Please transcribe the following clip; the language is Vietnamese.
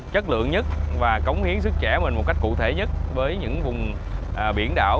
chất lượng nhất và cống hiến sức trẻ mình một cách cụ thể nhất với những vùng biển đảo